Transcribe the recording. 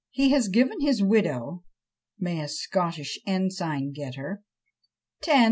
"He has given his widow (may a Scottish ensign get her!) 10,000_l.